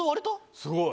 すごい。